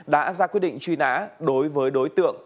đã ra quyết định truy nã đối với đối tượng